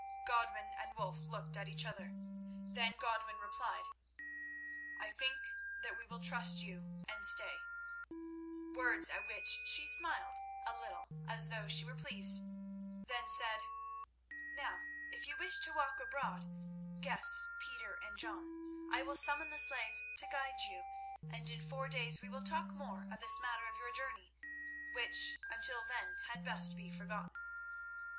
Godwin and Wulf looked at each other. Then Godwin replied: "I think that we will trust you, and stay," words at which she smiled a little as though she were pleased, then said: "Now, if you wish to walk abroad, guests Peter and John, I will summon the slave to guide you, and in four days we will talk more of this matter of your journey, which, until then, had best be forgotten."